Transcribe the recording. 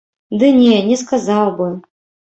Ды не, не сказаў бы.